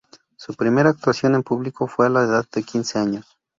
Su primera actuación en público fue a la edad de quince años.